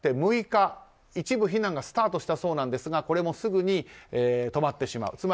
６日、一部避難がスタートしたそうですがこれもすぐに止まってしまう。